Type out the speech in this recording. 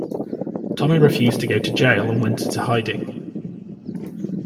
Tommy refused to go to jail and went into hiding.